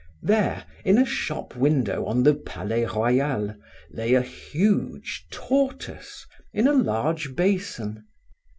There, in a shop window on the Palais Royal, lay a huge tortoise in a large basin.